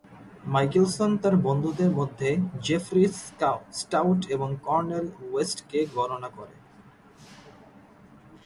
Michelson তার বন্ধুদের মধ্যে জেফ্রি স্টাউট এবং কর্নেল ওয়েস্টকে গণনা করে।